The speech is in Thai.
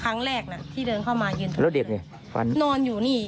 ครั้งแรกน่ะที่เดินเข้ามาเย็นแล้วเด็กเนี่ยฟันนอนอยู่นี่